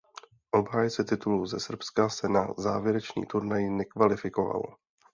Obhájce titulu ze Srbska se na závěrečný turnaj nekvalifikoval.